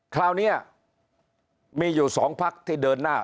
คราวนี้มีอยู่๒พักที่เดินหน้า